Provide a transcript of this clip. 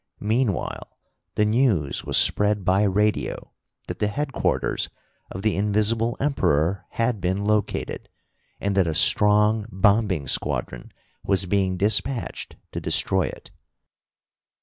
Meanwhile the news was spread by radio that the headquarters of the Invisible Emperor had been located, and that a strong bombing squadron was being dispatched to destroy it.